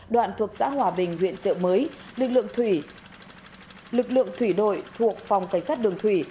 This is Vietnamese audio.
đoạn thuộc xã hòa bình huyện chợ mới lực lượng thủy đội thuộc phòng cảnh sát đường thủy